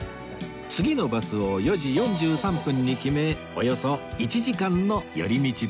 次のバスを４時４３分に決めおよそ１時間の寄り道です